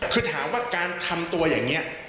ธหารการทำตัวอย่างงี้